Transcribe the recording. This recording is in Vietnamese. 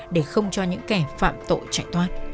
để không cho những kẻ phá hủy